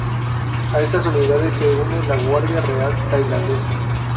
A esta unidades se une la Guardia Real Tailandesa.